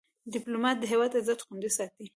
ډيپلومات د هیواد عزت خوندي ساتي.